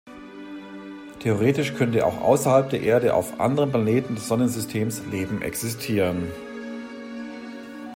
Theoretisch könnte auch außerhalb der Erde auf anderen Planeten des Sonnensystems Leben existieren.